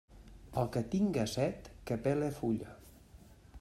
El que tinga set, que pele fulla.